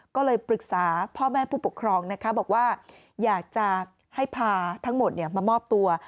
ก็เลยปรึกษาพ่อแม่ผู้ปกครองนะคะบอกว่าอยากจะให้พาทั้งหมดมามอบตัว